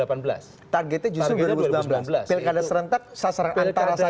pilkada serentak sasaran antara saja